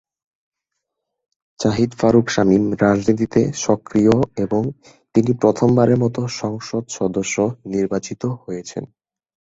জাহিদ ফারুক শামীম রাজনীতিতে সক্রিয় এবং তিনি প্রথম বারের মতো সংসদ সদস্য নির্বাচিত হয়েছেন।